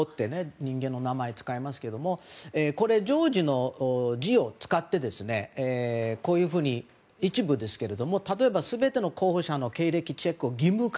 人間の名前を使いますけれどもジョージの字を使ってこういうふうに一部ですが例えば、全ての候補者の経歴チェックを義務化。